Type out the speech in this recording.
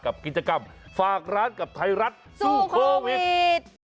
กิจกรรมฝากร้านกับไทยรัฐสู้โควิด